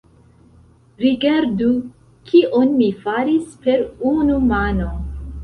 Rigardu kion mi faris per unu mano!